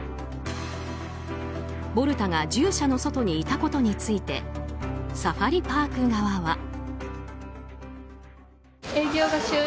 ボルタが獣舎の外にいたことについてサファリパーク側は。